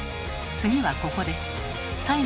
「最後はここです」